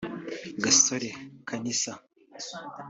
Gasore Kanisa